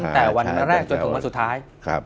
กับท่อสู่สุดท้าย